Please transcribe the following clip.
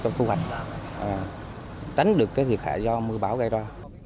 cho thu hoạch đánh được cái thiệt hại do mưa bão gây ra